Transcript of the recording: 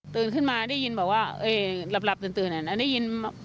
ตื่นขึ้นมาได้ยินบอกว่าเอ้ยหลับหลับจนตื่นอ่ะแล้วได้ยิน